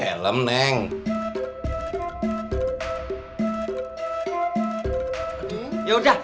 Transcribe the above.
aku cuma pengen belajar acting